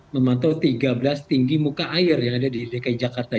memantau tiga belas tinggi muka air yang ada di dki jakarta